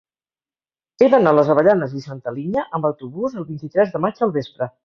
He d'anar a les Avellanes i Santa Linya amb autobús el vint-i-tres de maig al vespre.